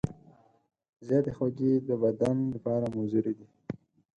زیاتې خوږې د بدن لپاره مضرې دي.